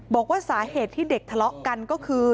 บอกว่าสาเหตุที่เด็กทะเลาะกันก็คือ